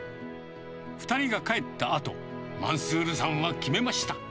２人が帰ったあと、マンスールさんは決めました。